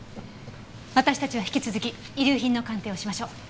私たちは引き続き遺留品の鑑定をしましょう。